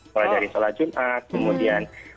mulai dari sholat jumat kemudian